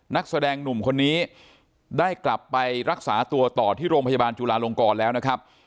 นักแสดงหนุ่มคนนี้ได้กลับไปรักษาตัวต่อที่โรงพยาบาลจุลาลงกรแล้วนะครับ